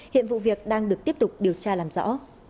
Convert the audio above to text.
hiện vụ việc đang được tiếp tục điều tra làm rõ